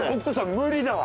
無理だわ。